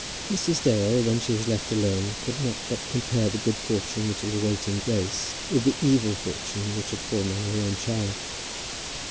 Mrs. Dale when she was left alone could not but compare the good fortune which was awaiting Grace, with the evil fortune which had fallen on her own child.